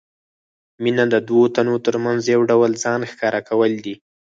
مینه د دوو تنو ترمنځ یو ډول ځان ښکاره کول دي.